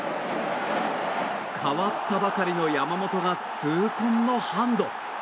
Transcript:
代わったばかりの山本が痛恨のハンド。